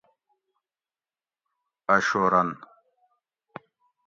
اشورن